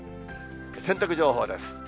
洗濯情報です。